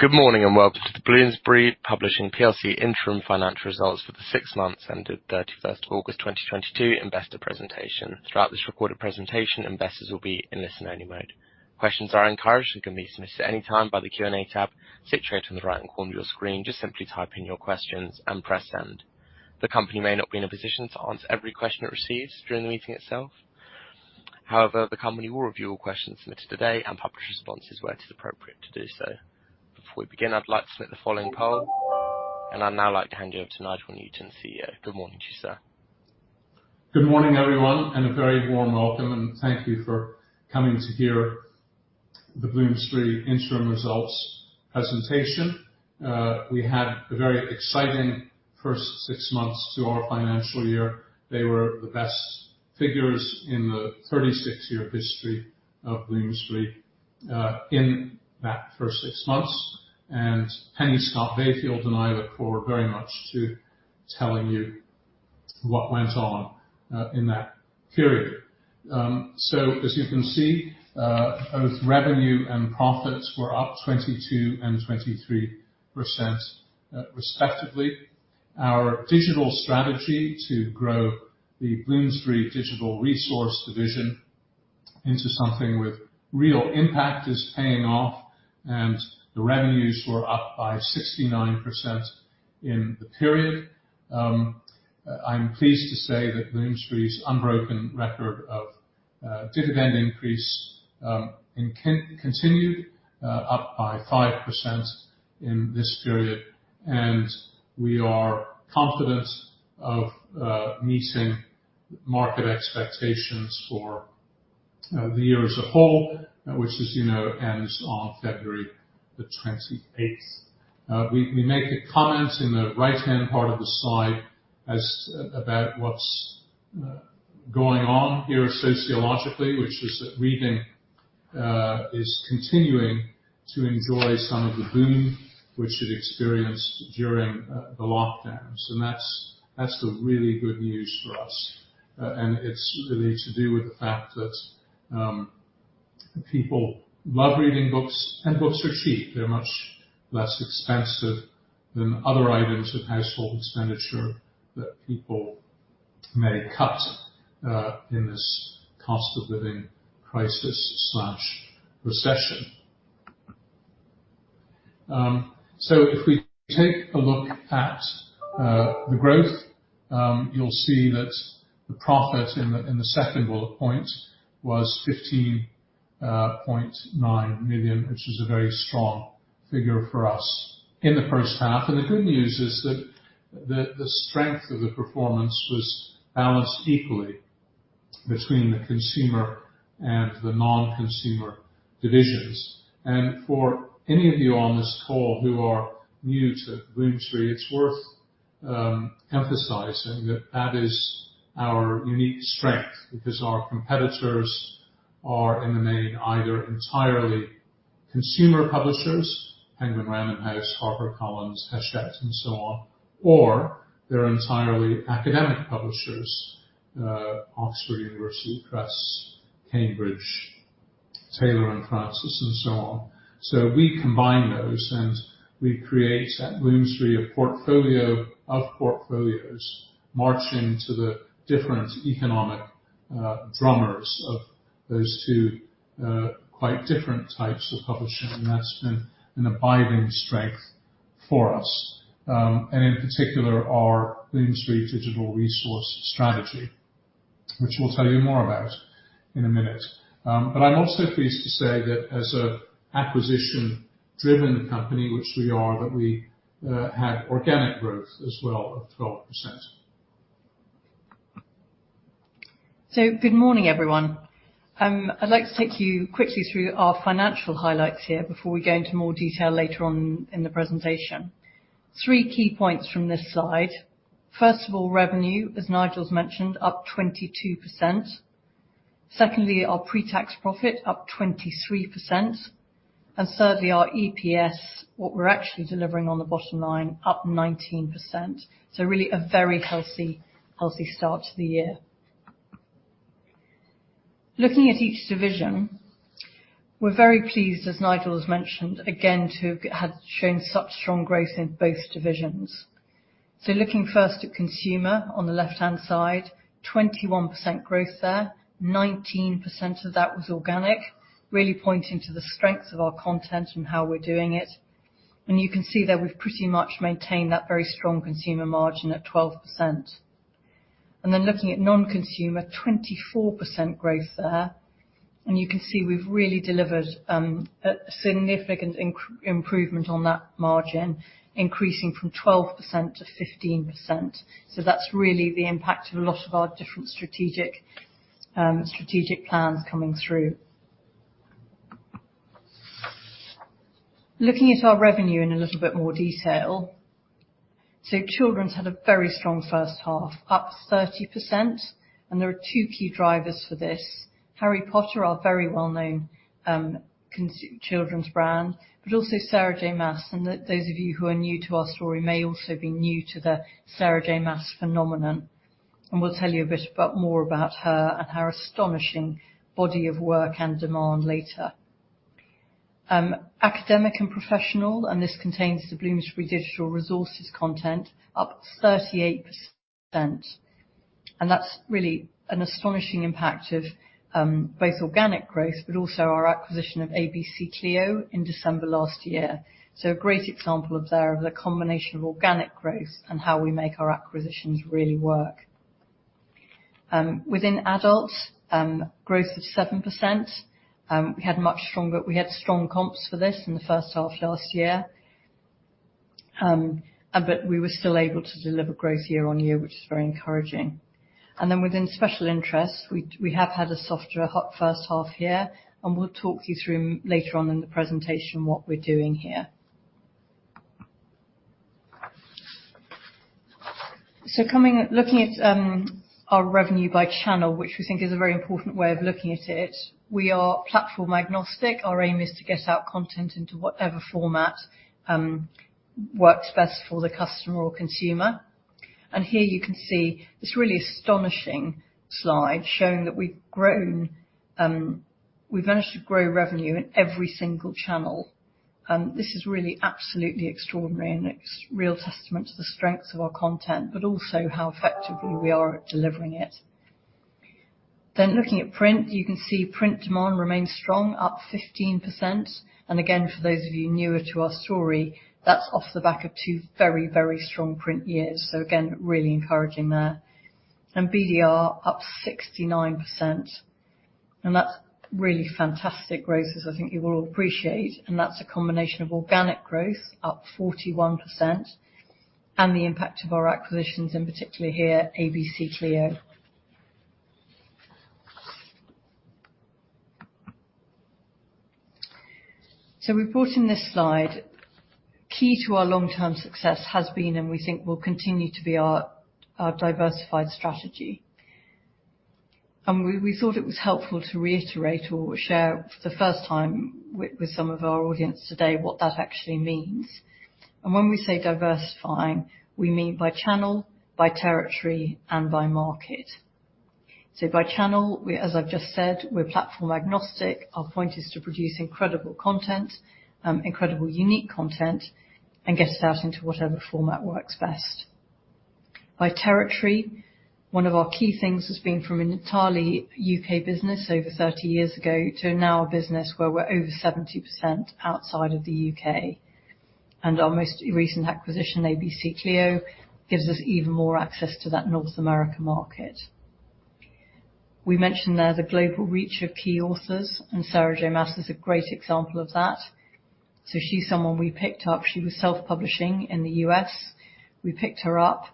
Good morning, and welcome to the Bloomsbury Publishing PLC interim financial results for the six months ended 31st August 2022 investor presentation. Throughout this recorded presentation, investors will be in listen-only mode. Questions are encouraged and can be submitted at any time by the Q&A tab situated on the right-hand corner of your screen. Just simply type in your questions and press send. The company may not be in a position to answer every question it receives during the meeting itself. However, the company will review all questions submitted today and publish responses where it is appropriate to do so. Before we begin, I'd like to submit the following poll. I'd now like to hand you over to Nigel Newton, CEO. Good morning to you, sir. Good morning, everyone, and a very warm welcome, and thank you for coming to hear the Bloomsbury interim results presentation. We had a very exciting first six months to our financial year. They were the best figures in the 36-year history of Bloomsbury in that first six months. Penny Scott-Bayfield and I look forward very much to telling you what went on in that period. As you can see, both revenue and profits were up 22% and 23% respectively. Our digital strategy to grow the Bloomsbury Digital Resources division into something with real impact is paying off, and the revenues were up by 69% in the period. I'm pleased to say that Bloomsbury's unbroken record of dividend increase continued up by 5% in this period, and we are confident of meeting market expectations for the year as a whole, which as you know, ends on February the 28th. We make a comment in the right-hand part of the slide about what's going on here sociologically, which is that reading is continuing to enjoy some of the boom which it experienced during the lockdowns. That's the really good news for us. It's really to do with the fact that people love reading books and books are cheap. They're much less expensive than other items of household expenditure that people may cut in this cost of living crisis/recession. If we take a look at the growth, you'll see that the profit in the second bullet point was 15.9 million, which is a very strong figure for us in the first half. The good news is that the strength of the performance was balanced equally between the consumer and the non-consumer divisions. For any of you on this call who are new to Bloomsbury, it's worth emphasizing that that is our unique strength, because our competitors are, in the main, either entirely consumer publishers, Penguin, Random House, HarperCollins, Hachette, and so on, or they're entirely academic publishers, Oxford University Press, Cambridge, Taylor & Francis, and so on. We combine those, and we create at Bloomsbury a portfolio of portfolios marching to the different economic drummers of those two quite different types of publishing, and that's been an abiding strength for us. In particular, our Bloomsbury Digital Resource strategy, which we'll tell you more about in a minute. But I'm also pleased to say that as an acquisition-driven company, which we are, that we had organic growth as well of 12%. Good morning, everyone. I'd like to take you quickly through our financial highlights here before we go into more detail later on in the presentation. Three key points from this slide. First of all, revenue, as Nigel's mentioned, up 22%. Secondly, our pre-tax profit up 23%, and thirdly, our EPS, what we're actually delivering on the bottom line, up 19%. Really a very healthy start to the year. Looking at each division, we're very pleased, as Nigel has mentioned, again, to have shown such strong growth in both divisions. Looking first at consumer on the left-hand side, 21% growth there. 19% of that was organic, really pointing to the strength of our content and how we're doing it. You can see that we've pretty much maintained that very strong consumer margin at 12%. Looking at non-consumer, 24% growth there, you can see we've really delivered a significant improvement on that margin, increasing from 12% to 15%. That's really the impact of a lot of our different strategic plans coming through. Looking at our revenue in a little bit more detail. Children's had a very strong first half, up 30%, and there are two key drivers for this. Harry Potter, our very well-known children's brand, but also Sarah J. Maas, and those of you who are new to our story may also be new to the Sarah J. Maas phenomenon. We'll tell you a bit more about her and her astonishing body of work and demand later. Academic and professional, this contains the Bloomsbury Digital Resources content, up 38%, and that's really an astonishing impact of both organic growth, but also our acquisition of ABC-CLIO in December last year. A great example there of the combination of organic growth and how we make our acquisitions really work. Within adults, growth of 7%. We had strong comps for this in the first half last year, but we were still able to deliver growth year on year, which is very encouraging. Within special interests, we have had a softer first half here, and we'll talk you through later on in the presentation what we're doing here. Looking at our revenue by channel, which we think is a very important way of looking at it, we are platform agnostic. Our aim is to get our content into whatever format works best for the customer or consumer. Here you can see this really astonishing slide showing that we've managed to grow revenue in every single channel. This is really absolutely extraordinary, and it's a real testament to the strengths of our content, but also how effective we are at delivering it. Looking at print, you can see print demand remains strong, up 15%. Again, for those of you newer to our story, that's off the back of two very, very strong print years. Again, really encouraging there. BDR up 69%, and that's really fantastic growth as I think you will all appreciate, and that's a combination of organic growth up 41% and the impact of our acquisitions, and particularly here, ABC-CLIO. We've brought in this slide. Key to our long-term success has been, and we think will continue to be, our diversified strategy. We thought it was helpful to reiterate or share for the first time with some of our audience today what that actually means. When we say diversifying, we mean by channel, by territory, and by market. By channel, as I've just said, we're platform agnostic. Our point is to produce incredible content, incredible unique content, and get it out into whatever format works best. By territory, one of our key things has been from an entirely U.K. business over 30 years ago to now a business where we're over 70% outside of the U.K. Our most recent acquisition, ABC-CLIO, gives us even more access to that North America market. We mentioned there the global reach of key authors, and Sarah J. Maas is a great example of that. She's someone we picked up. She was self-publishing in the U.S. We picked her up.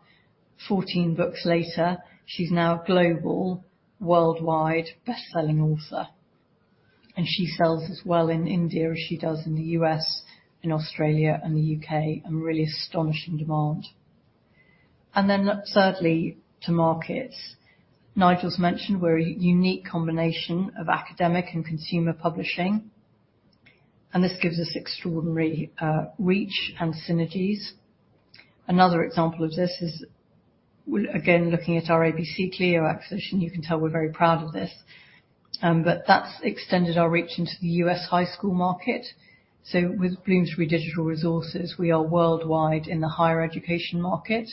14 books later, she's now a global, worldwide best-selling author. She sells as well in India as she does in the U.S., in Australia, and the U.K., and really astonishing demand. Thirdly, to markets. Nigel's mentioned we're a unique combination of academic and consumer publishing, and this gives us extraordinary reach and synergies. Another example of this is, again, looking at our ABC-CLIO acquisition. You can tell we're very proud of this. That's extended our reach into the U.S. high school market. With Bloomsbury Digital Resources, we are worldwide in the higher education market.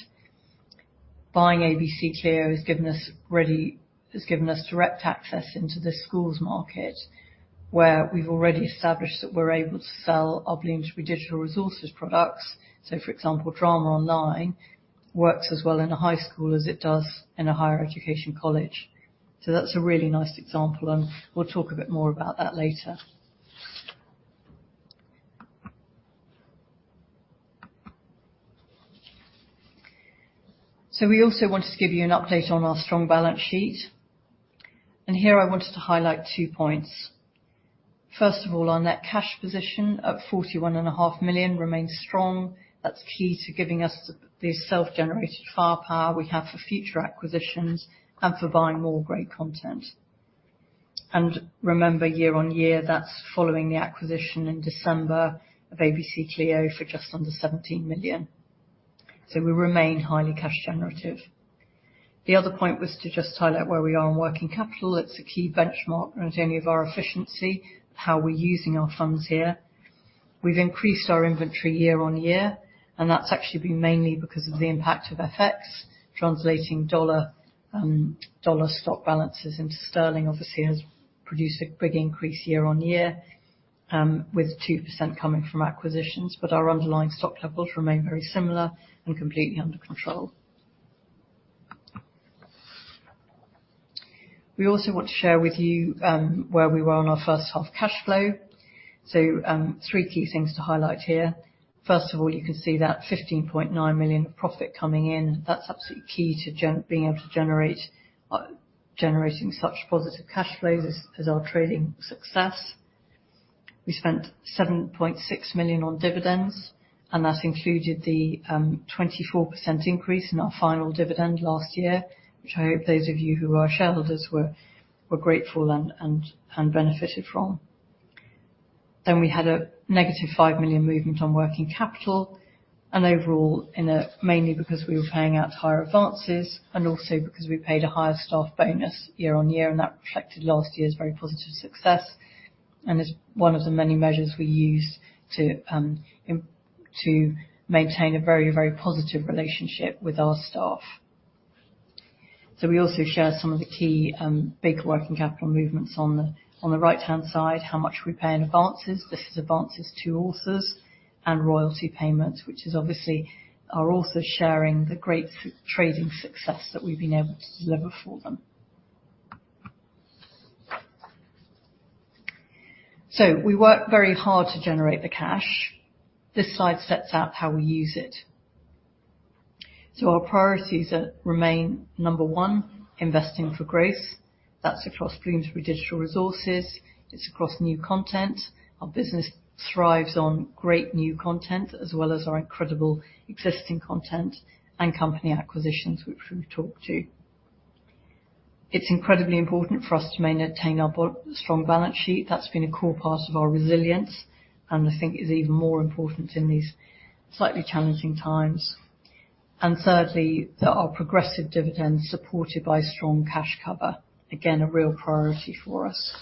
Buying ABC-CLIO has given us direct access into the schools market, where we've already established that we're able to sell our Bloomsbury Digital Resources products. For example, Drama Online works as well in a high school as it does in a higher education college. That's a really nice example, and we'll talk a bit more about that later. We also wanted to give you an update on our strong balance sheet. Here I wanted to highlight two points. First of all, our net cash position at 41.5 million remains strong. That's key to giving us the self-generated firepower we have for future acquisitions and for buying more great content. Remember, year-on-year, that's following the acquisition in December of ABC-CLIO for just under 17 million. We remain highly cash generative. The other point was to just highlight where we are on working capital. It's a key benchmark as any of our efficiency, how we're using our funds here. We've increased our inventory year-on-year, and that's actually been mainly because of the impact of FX, translating dollar stock balances into sterling obviously has produced a big increase year-on-year, with 2% coming from acquisitions. Our underlying stock levels remain very similar and completely under control. We also want to share with you where we were on our first half cash flow. Three key things to highlight here. First of all, you can see that 15.9 million of profit coming in. That's absolutely key to generating such positive cash flows as our trading success. We spent 7.6 million on dividends, and that included the 24% increase in our final dividend last year, which I hope those of you who are shareholders were grateful and benefited from. We had a negative 5 million movement on working capital, overall, mainly because we were paying out higher advances, also because we paid a higher staff bonus year-over-year, that reflected last year's very positive success, and is one of the many measures we use to maintain a very positive relationship with our staff. We also share some of the key bigger working capital movements on the right-hand side, how much we pay in advances. This is advances to authors and royalty payments, which is obviously our authors sharing the great trading success that we've been able to deliver for them. We work very hard to generate the cash. This slide sets out how we use it. Our priorities remain, number one, investing for growth. That's across Bloomsbury Digital Resources. It's across new content. Our business thrives on great new content as well as our incredible existing content and company acquisitions, which we've talked to. It's incredibly important for us to maintain our strong balance sheet. That's been a core part of our resilience, and I think it's even more important in these slightly challenging times. Thirdly, that our progressive dividend supported by strong cash cover, again, a real priority for us.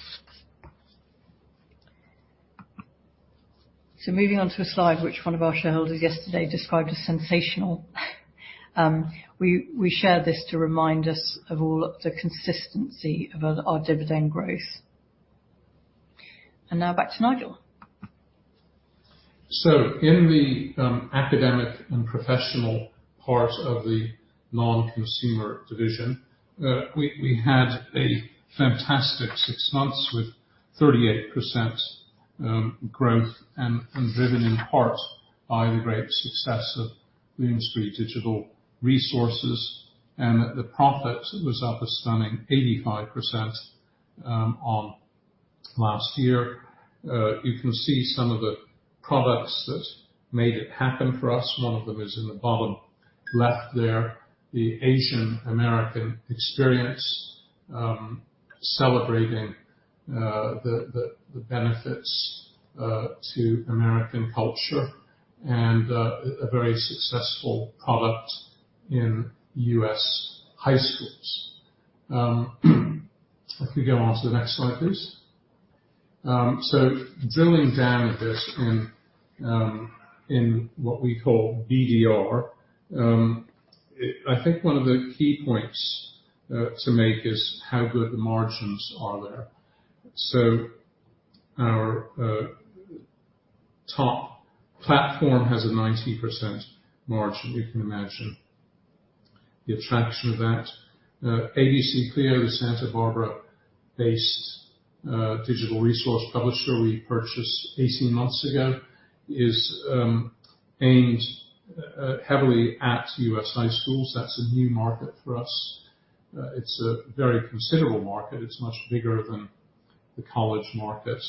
Moving on to a slide which one of our shareholders yesterday described as sensational. We share this to remind us of all the consistency of our dividend growth. Now back to Nigel. In the academic and professional part of the non-consumer division, we had a fantastic six months with 38% growth, driven in part by the great success of Bloomsbury Digital Resources. The profit was up a stunning 85% on last year. You can see some of the products that made it happen for us. One of them is in the bottom left there, The Asian American Experience, celebrating the benefits to American culture and a very successful product in U.S. high schools. If we go on to the next slide, please. Drilling down this in what we call BDR, I think one of the key points to make is how good the margins are there. Our top platform has a 90% margin. You can imagine the attraction of that. ABC-CLIO, the Santa Barbara-based digital resource publisher we purchased 18 months ago, is aimed heavily at U.S. high schools. That's a new market for us. It's a very considerable market. It's much bigger than the college market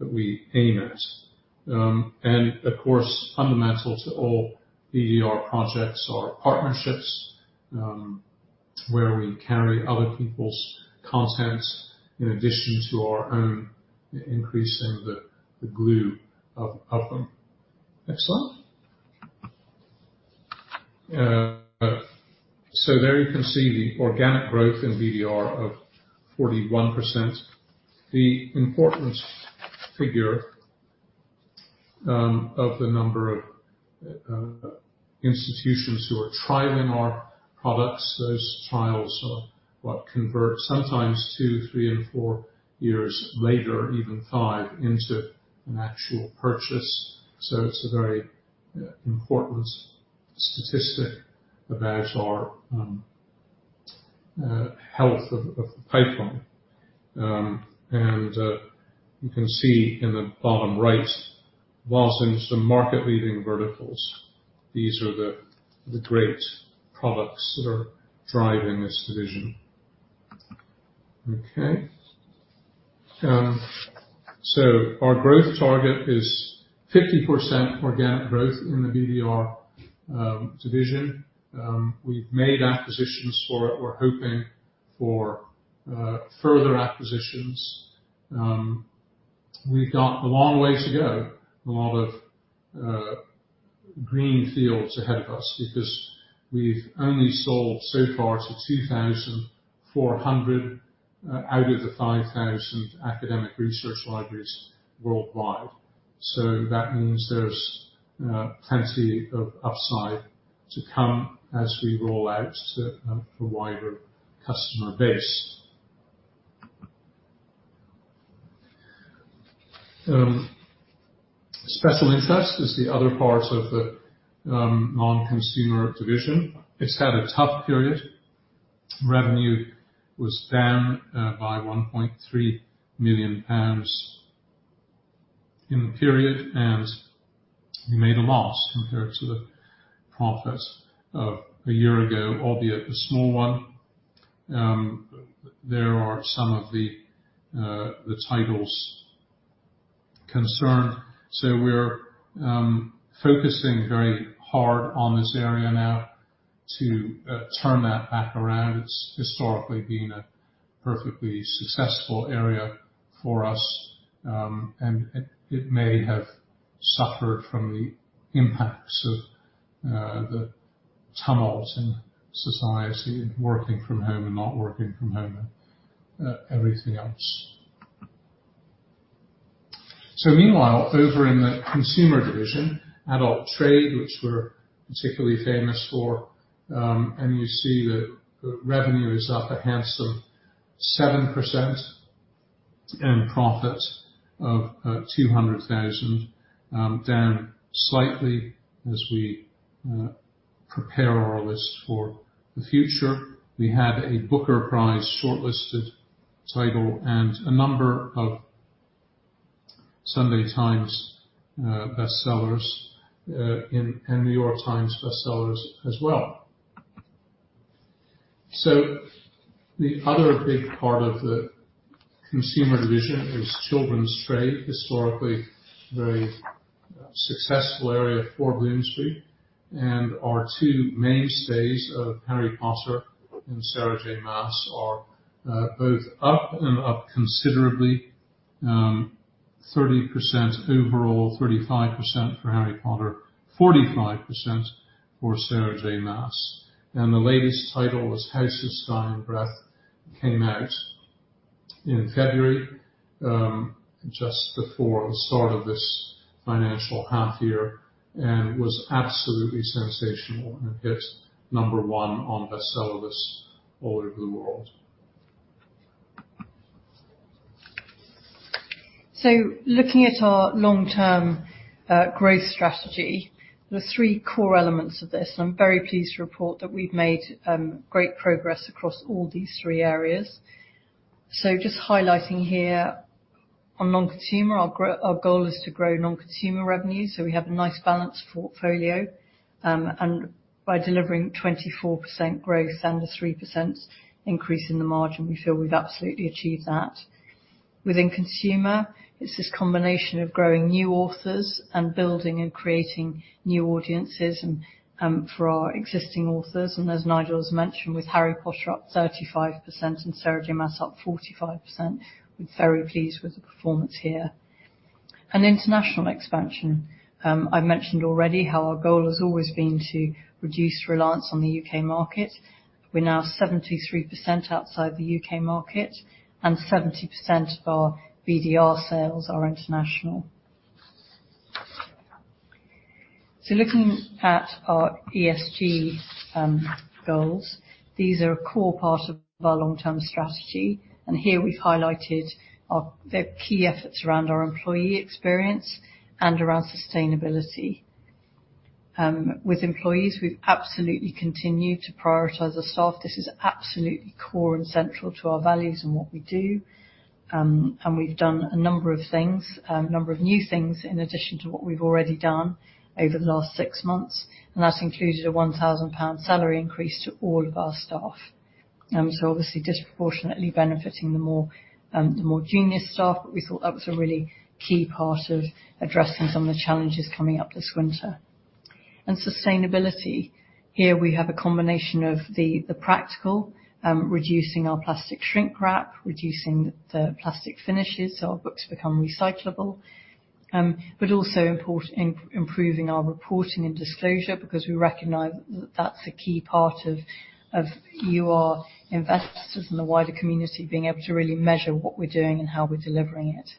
that we aim at. Of course, fundamental to all BDR projects are partnerships, where we carry other people's content in addition to our own, increasing the glue of them. Next slide. There you can see the organic growth in BDR of 41%. The important figure of the number of institutions who are trialing our products. Those trials are what convert sometimes two, three, and four years later, even five, into an actual purchase. It's a very important statistic about our health of the pipeline. You can see in the bottom right, whilst in some market-leading verticals, these are the great products that are driving this division. Okay. Our growth target is 50% organic growth in the BDR division. We've made acquisitions for it. We're hoping for further acquisitions. We've got a long way to go, a lot of green fields ahead of us because we've only sold so far to 2,400 out of the 5,000 academic research libraries worldwide. That means there's plenty of upside to come as we roll out to a wider customer base. Special Interest is the other part of the non-consumer division. It's had a tough period. Revenue was down by 1.3 million pounds in the period, and we made a loss compared to the profit of a year ago, albeit a small one. There are some of the titles concerned. We're focusing very hard on this area now to turn that back around. It's historically been a perfectly successful area for us, and it may have suffered from the impacts of the tumult in society and working from home and not working from home and everything else. Meanwhile, over in the consumer division, adult trade, which we're particularly famous for, and you see that revenue is up a handsome 7% and profit of 200,000, down slightly as we prepare our list for the future. We had a Booker Prize shortlisted title and a number of The Sunday Times bestsellers and The New York Times bestsellers as well. The other big part of the consumer division is children's trade, historically, a very successful area for Bloomsbury, and our two mainstays of Harry Potter and Sarah J. Maas are both up and up considerably, 30% overall, 35% for Harry Potter, 45% for Sarah J. Maas. The latest title was House of Flame and Shadow, came out in February, just before the start of this financial half year, and was absolutely sensational, and it hit number 1 on the bestseller list all over the world. Looking at our long-term growth strategy, there are three core elements of this, and I'm very pleased to report that we've made great progress across all these three areas. Just highlighting here on non-consumer, our goal is to grow non-consumer revenue, so we have a nice balanced portfolio. And by delivering 24% growth and a 3% increase in the margin, we feel we've absolutely achieved that. Within consumer, it's this combination of growing new authors and building and creating new audiences for our existing authors. And as Nigel has mentioned, with Harry Potter up 35% and Sarah J. Maas up 45%, we're very pleased with the performance here. International expansion, I've mentioned already how our goal has always been to reduce reliance on the U.K. market. We're now 73% outside the U.K. market and 70% of our BDR sales are international. Looking at our ESG goals, these are a core part of our long-term strategy, and here we have highlighted the key efforts around our employee experience and around sustainability. With employees, we have absolutely continued to prioritize our staff. This is absolutely core and central to our values and what we do. We have done a number of things, a number of new things in addition to what we have already done over the last six months, and that included a 1,000 pound salary increase to all of our staff. Obviously disproportionately benefiting the more junior staff, but we thought that was a really key part of addressing some of the challenges coming up this winter. Sustainability. Here we have a combination of the practical, reducing our plastic shrink wrap, reducing the plastic finishes, so our books become recyclable. Also improving our reporting and disclosure because we recognize that is a key part of you, our investors and the wider community, being able to really measure what we are doing and how we are delivering it.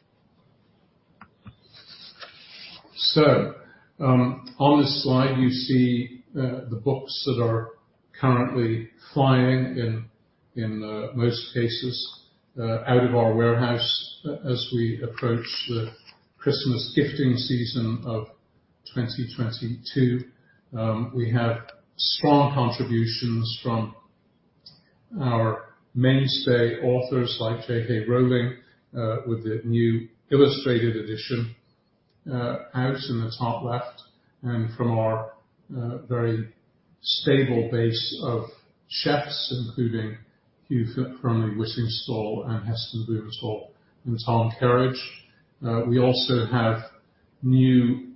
On this slide, you see the books that are currently flying in most cases, out of our warehouse as we approach the Christmas gifting season of 2022. We have strong contributions from our mainstay authors like J.K. Rowling with the new illustrated edition out in the top left, and from our very stable base of chefs, including Hugh Fearnley-Whittingstall and Heston Blumenthal and Tom Kerridge. We also have new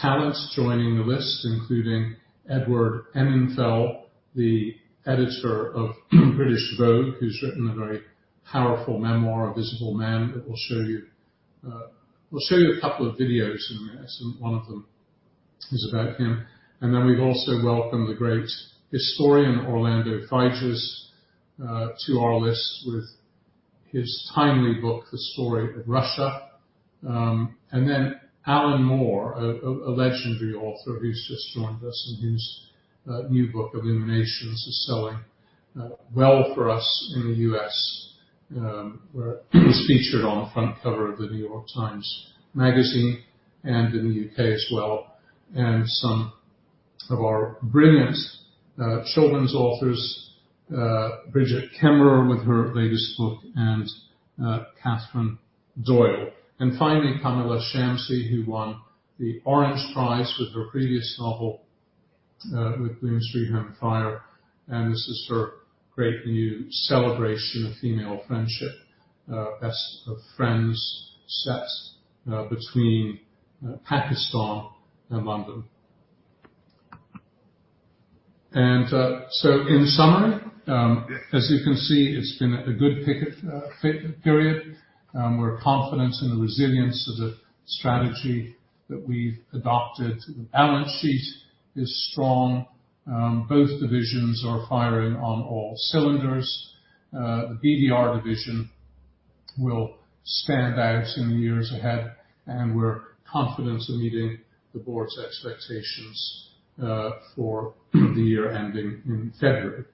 talents joining the list, including Edward Enninful, the editor of British Vogue, who has written a very powerful memoir, A Visible Man. We will show you a couple of videos in a minute, and one of them is about him. We have also welcomed the great historian Orlando Figes to our list with his timely book, The Story of Russia. Alan Moore, a legendary author who has just joined us and whose new book, Illuminations, is selling well for us in the U.S., where it was featured on the front cover of The New York Times Magazine and in the U.K. as well. Some of our brilliant children's authors, Brigid Kemmerer with her latest book and Catherine Doyle. Kamila Shamsie, who won the Orange Prize with her previous novel with Bloomsbury, Home Fire. This is her great new celebration of female friendship Best of Friends set between Pakistan and London. In summary, as you can see, it has been a good period. We are confident in the resilience of the strategy that we have adopted. The balance sheet is strong. Both divisions are firing on all cylinders. The BDR division will stand out in the years ahead, and we're confident in meeting the board's expectations for the year ending in February.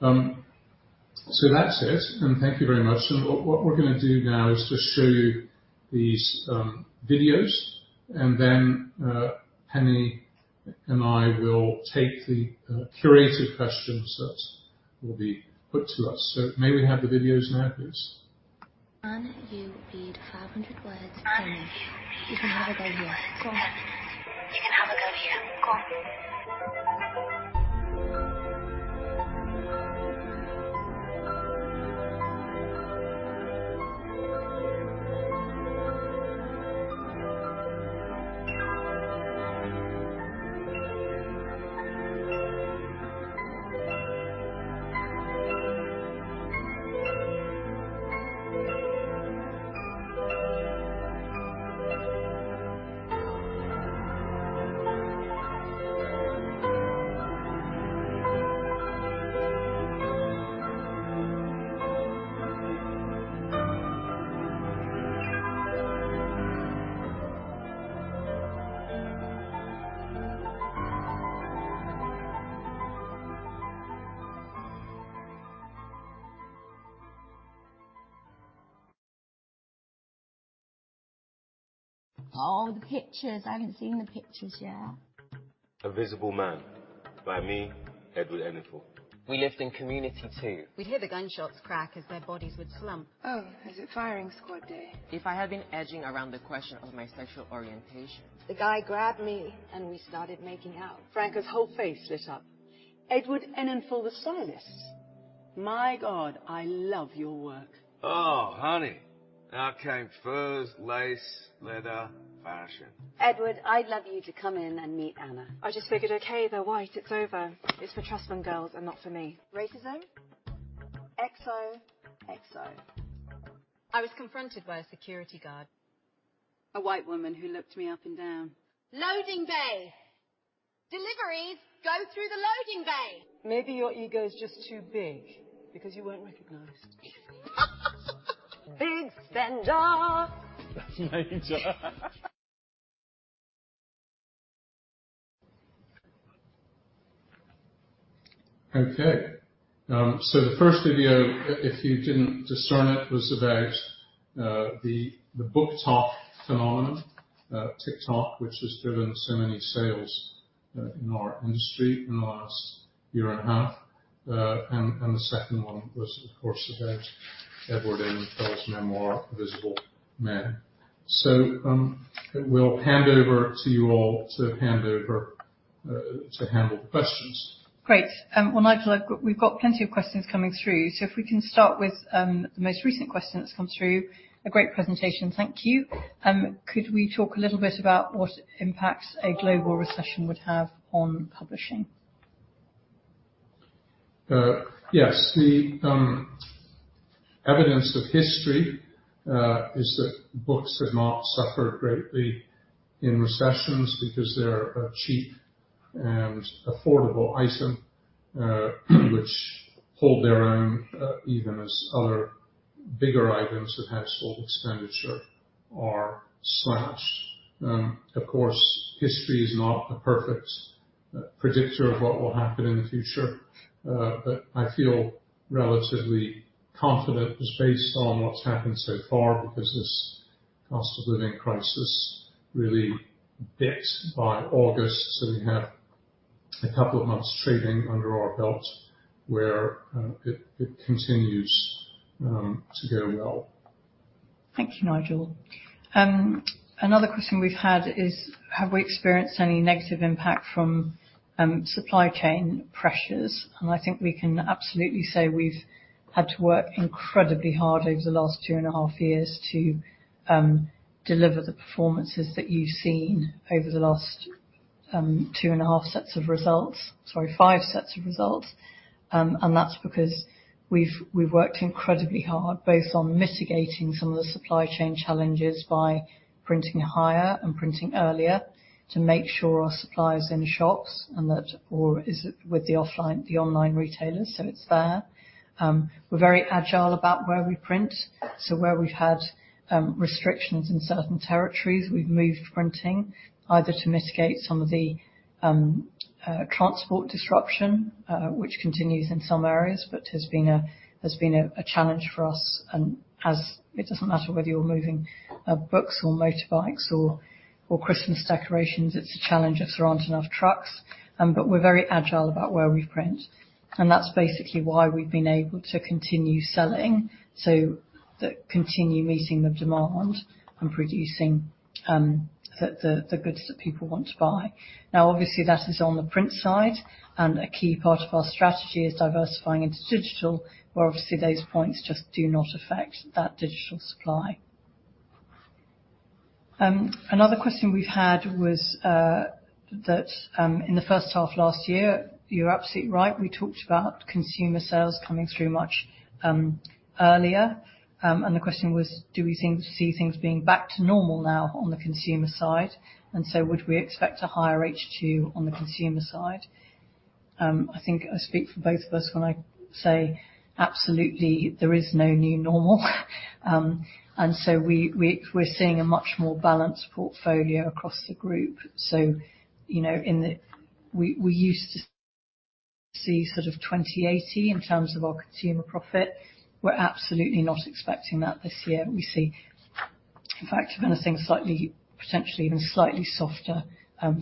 That's it. Thank you very much. What we're going to do now is just show you these videos, and then Penny and I will take the curated questions that will be put to us. May we have the videos now, please? Can you read 500 words for me? You can have a go here. Go on. Oh, the pictures. I haven't seen the pictures yet. A Visible Man" by me, Edward Enninful. We lived in community too. We'd hear the gunshots crack as their bodies would slump. Oh, is it firing squad day? If I had been edging around the question of my sexual orientation. The guy grabbed me and we started making out. Franca's whole face lit up. "Edward Enninful, the stylist. My God, I love your work. Oh, honey. Out came furs, lace, leather, fashion. Edward, I'd love you to come in and meet Anna. I just figured, okay, they're white, it's over. It's for trust fund girls and not for me. Racism? Xoxo. I was confronted by a security guard, a white woman who looked me up and down. Loading bay. Deliveries go through the loading bay. Maybe your ego's just too big because you won't recognize. Big spender. Major. Okay. The first video, if you didn't discern it, was about the BookTok phenomenon, TikTok, which has driven so many sales in our industry in the last year and a half. The second one was, of course, about Edward Enninful's memoir, "Visible Man." We'll hand over to you all to handle the questions. Great. Well, Nigel, we've got plenty of questions coming through. If we can start with the most recent question that's come through. A great presentation. Thank you. Could we talk a little bit about what impact a global recession would have on publishing? Yes. The evidence of history is that books have not suffered greatly in recessions because they're a cheap and affordable item, which hold their own, even as other bigger items of household expenditure are slashed. Of course, history is not a perfect predictor of what will happen in the future. I feel relatively confident just based on what's happened so far, because this cost of living crisis really bit by August. We have a couple of months trading under our belt where it continues to go well. Thank you, Nigel. Another question we've had is, have we experienced any negative impact from supply chain pressures? I think we can absolutely say we've had to work incredibly hard over the last two and a half years to deliver the performances that you've seen over the last two and a half sets of results. Sorry, five sets of results. That's because we've worked incredibly hard both on mitigating some of the supply chain challenges by printing higher and printing earlier to make sure our supply is in shops or is with the online retailers, it's there. We're very agile about where we print. Where we've had restrictions in certain territories, we've moved printing either to mitigate some of the transport disruption, which continues in some areas but has been a challenge for us. It doesn't matter whether you're moving books or motorbikes or Christmas decorations, it's a challenge if there aren't enough trucks. We're very agile about where we print. That's basically why we've been able to continue selling, continue meeting the demand and producing the goods that people want to buy. Obviously, that is on the print side. A key part of our strategy is diversifying into digital, where obviously those points just do not affect that digital supply. Another question we've had was that in the first half last year, you're absolutely right, we talked about consumer sales coming through much earlier. The question was, do we see things being back to normal now on the consumer side? Would we expect a higher H2 on the consumer side? I think I speak for both of us when I say absolutely, there is no new normal. We're seeing a much more balanced portfolio across the group. We used to see sort of 20/80 in terms of our consumer profit. We're absolutely not expecting that this year. We see, in fact, kind of things potentially even slightly softer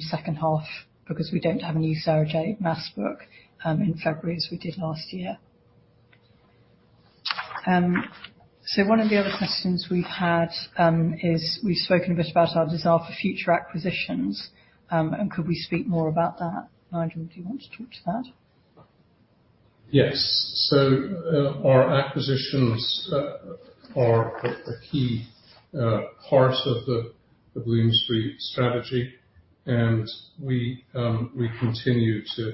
second half because we don't have a new Sarah J. Maas book in February as we did last year. One of the other questions we've had is, we've spoken a bit about our desire for future acquisitions, and could we speak more about that? Nigel, do you want to talk to that? Yes. Our acquisitions are a key part of the Bloomsbury strategy, and we continue to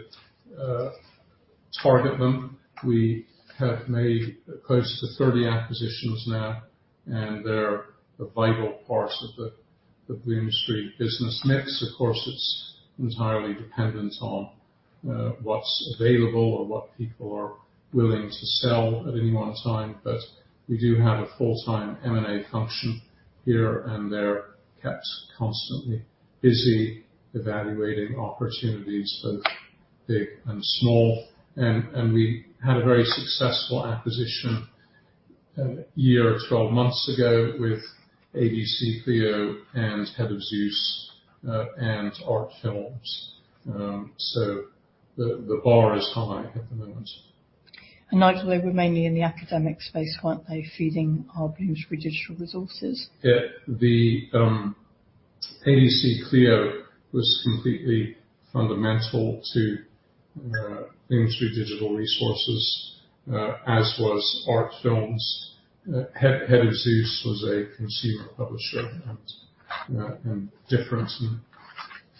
target them. We have made close to 30 acquisitions now, and they're a vital part of the Bloomsbury business mix. Of course, it's entirely dependent on what's available or what people are willing to sell at any one time. We do have a full-time M&A function here, and they're kept constantly busy evaluating opportunities both big and small. We had a very successful acquisition a year or 12 months ago with ABC-CLIO and Head of Zeus, and Artfilms. The bar is high at the moment. Nigel, they were mainly in the academic space, weren't they? Feeding our Bloomsbury Digital Resources. Yeah. The ABC-CLIO was completely fundamental to Bloomsbury Digital Resources, as was Artfilms. Head of Zeus was a consumer publisher and different, and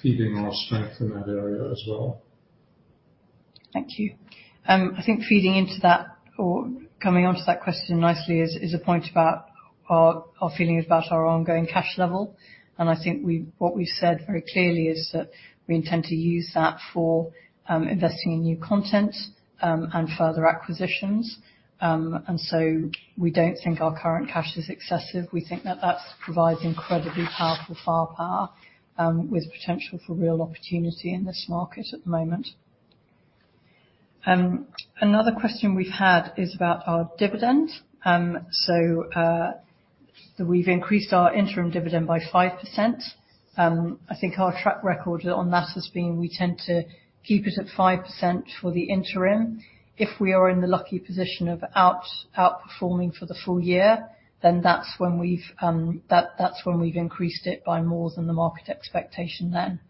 feeding our strength in that area as well. Thank you. I think feeding into that or coming onto that question nicely is a point about our feeling about our ongoing cash level. I think what we've said very clearly is that we intend to use that for investing in new content, and further acquisitions. So we don't think our current cash is excessive. We think that provides incredibly powerful firepower, with potential for real opportunity in this market at the moment. Another question we've had is about our dividend. We've increased our interim dividend by 5%. I think our track record on that has been, we tend to keep it at 5% for the interim. If we are in the lucky position of outperforming for the full year, that's when we've increased it by more than the market expectation then.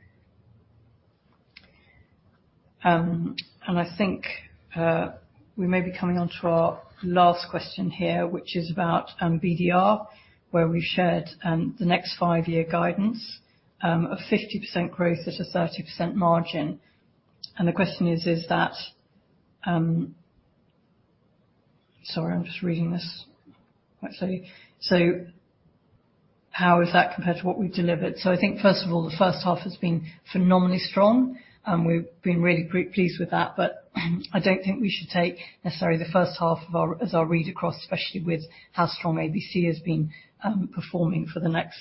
I think we may be coming onto our last question here, which is about BDR, where we shared the next five-year guidance of 50% growth at a 30% margin. The question is, how is that compared to what we've delivered? I think first of all, the first half has been phenomenally strong, and we've been really pleased with that. I don't think we should take necessarily the first half as our read across, especially with how strong ABC has been performing for the next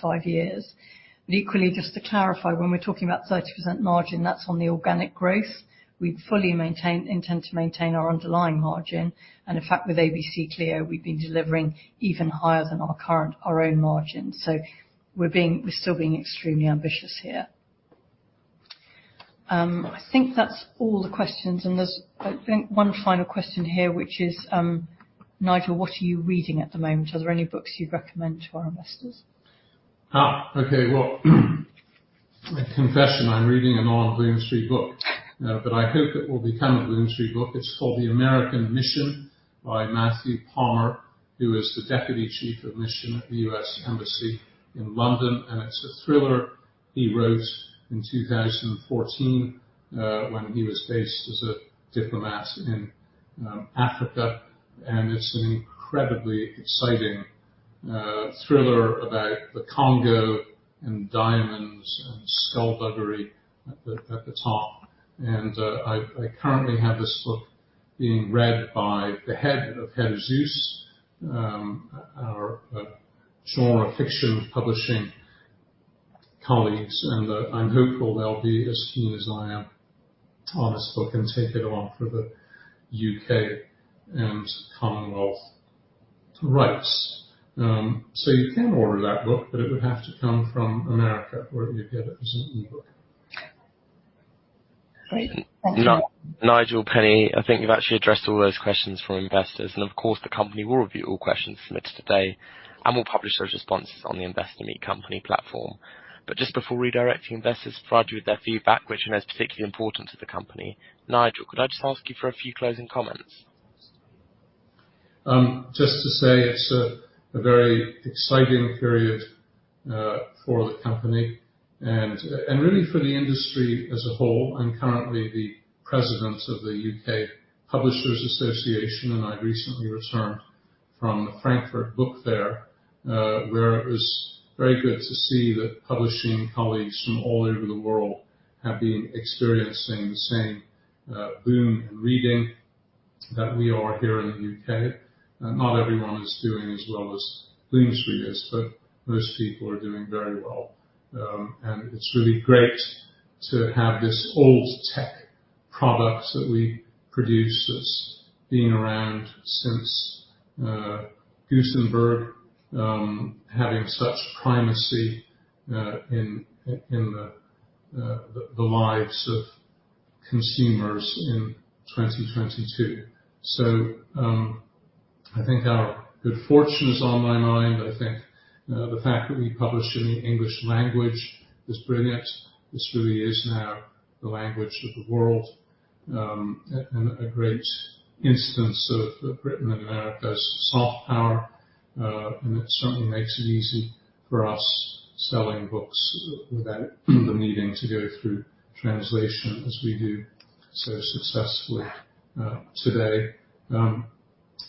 five years. Equally, just to clarify, when we're talking about 30% margin, that's on the organic growth. We fully intend to maintain our underlying margin. In fact, with ABC-CLIO, we've been delivering even higher than our own margin. We're still being extremely ambitious here. I think that's all the questions. There's, I think, one final question here, which is, Nigel, what are you reading at the moment? Are there any books you'd recommend to our investors? Okay. Well, a confession, I'm reading a non-Bloomsbury book. I hope it will become a Bloomsbury book. It's called "The American Mission" by Matthew Palmer, who is the deputy chief of mission at the U.S. Embassy in London. It's a thriller he wrote in 2014, when he was based as a diplomat in Africa. It's an incredibly exciting thriller about the Congo and diamonds and skulduggery at the top. I currently have this book being read by the head of Head of Zeus, our genre fiction publishing colleagues. I'm hopeful they'll be as keen as I am on this book and take it on for the U.K. and Commonwealth rights. You can order that book, but it would have to come from America, or you'd get it as an e-book. Great. Thanks, Nigel. Nigel, Penny, I think you've actually addressed all those questions from investors. Of course, the company will review all questions submitted today and will publish those responses on the Investor Meet Company platform. Just before redirecting investors to provide you with their feedback, which is particularly important to the company, Nigel, could I just ask you for a few closing comments? Just to say it's a very exciting period for the company and really for the industry as a whole. I'm currently the president of the U.K. Publishers Association. I recently returned from the Frankfurt Book Fair, where it was very good to see that publishing colleagues from all over the world have been experiencing the same boom in reading that we are here in the U.K. Not everyone is doing as well as Bloomsbury is, but most people are doing very well. It's really great to have this old tech product that we produce that's been around since Gutenberg, having such primacy in the lives of consumers in 2022. I think our good fortune is on my mind, but I think the fact that we publish in the English language is brilliant. This really is now the language of the world, a great instance of Britain and America's soft power, it certainly makes it easy for us selling books without the needing to go through translation as we do so successfully today.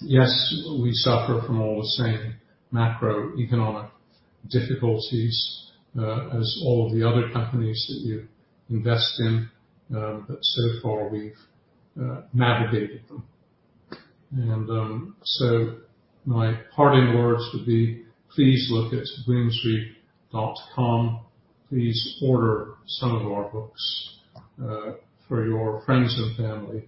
Yes, we suffer from all the same macroeconomic difficulties as all of the other companies that you invest in. So far, we've navigated them. My parting words would be, please look at bloomsbury.com. Please order some of our books for your friends and family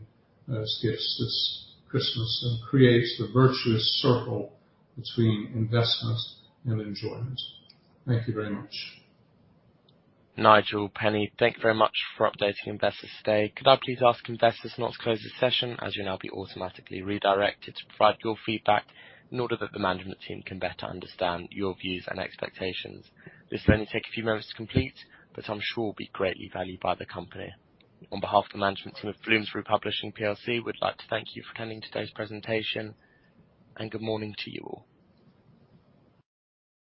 as gifts this Christmas, create the virtuous circle between investment and enjoyment. Thank you very much. Nigel, Penny, thank you very much for updating investors today. Could I please ask investors not to close this session as you'll now be automatically redirected to provide your feedback in order that the management team can better understand your views and expectations. This will only take a few moments to complete, but I'm sure will be greatly valued by the company. On behalf of the management team of Bloomsbury Publishing PLC, we'd like to thank you for attending today's presentation and good morning to you all.